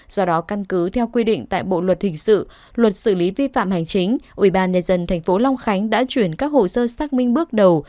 do đó căn cứ theo quy định tại bộ luật hình sự luật xử lý vi phạm hành chính ủy ban nhân dân tp long khánh đã chuyển các hồ sơ xác minh bước đầu